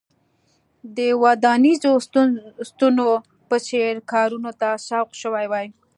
د ودانیزو ستنو په څېر کارونو ته سوق شوي وای.